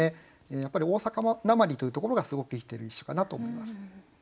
やっぱり「大阪訛り」というところがすごく生きてる一首かなと思います。